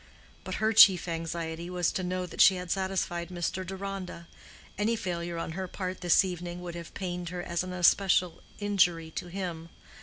But her chief anxiety was to know that she had satisfied Mr. Deronda: any failure on her part this evening would have pained her as an especial injury to him.